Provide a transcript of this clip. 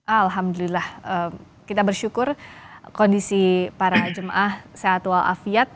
alhamdulillah kita bersyukur kondisi para jemaah sehat walafiat